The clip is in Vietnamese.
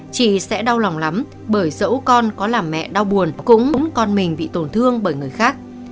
chị sẽ đau lòng lắm bởi dẫu con có làm mẹ đau buồn cũng con mình bị tổn thương bởi người khác